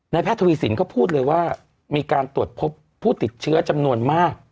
แพทย์ทวีสินก็พูดเลยว่ามีการตรวจพบผู้ติดเชื้อจำนวนมาก